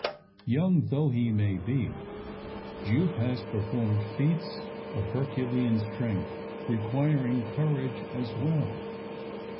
Young though he may be, Jupe has performed feats of Herculean strength, requiring courage as well.